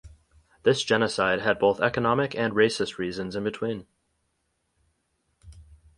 This genocide had both economic and racist reasons in between.